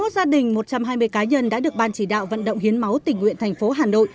sáu mươi một gia đình một trăm hai mươi cá nhân đã được ban chỉ đạo vận động hiến máu tình nguyện thành phố hà nội